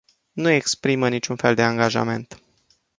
Nu exprimă niciun fel de angajament.